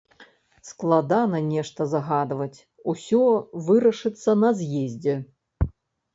Складана нешта загадваць, усё вырашыцца на з'ездзе.